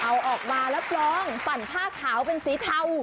เอาออกมาแล้วกลองปั่นผ้าขาวเป็นสีเทา